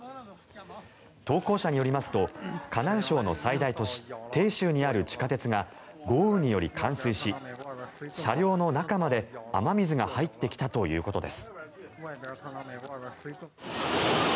投稿者によりますと河南省の最大都市鄭州にある地下鉄が豪雨により冠水し、車両の中まで雨水が入ってきたということです。